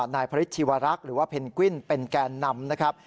นายพระฤทธิวรักษ์หรือว่าเพนกวิ้นเป็นแกนนำนะครับ